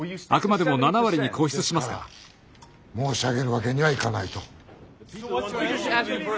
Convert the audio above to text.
ですから申し上げるわけにはいかないと。